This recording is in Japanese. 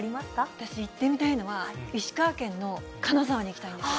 私、行ってみたいのが、石川県の金沢に行きたいんですよ。